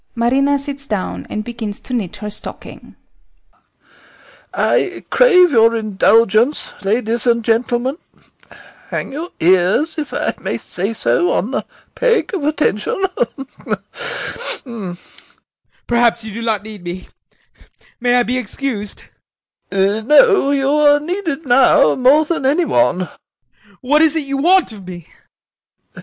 [MARINA sits down and begins to knit her stocking] I crave your indulgence, ladies and gentlemen; hang your ears, if I may say so, on the peg of attention. [He laughs.] VOITSKI. [Agitated] Perhaps you do not need me may I be excused? SEREBRAKOFF. No, you are needed now more than any one. VOITSKI. What is it you want of me?